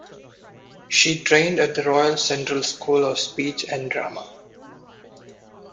She trained at the Royal Central School of Speech and Drama.